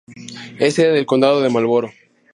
Es sede del Condado de Marlboro.